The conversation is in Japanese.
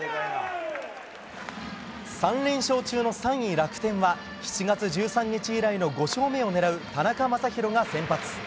３連勝中の３位、楽天は７月１３日以来の５勝目を狙う田中将大が先発。